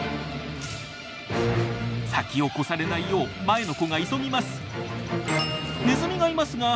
先を越されないよう前の子が急ぎます。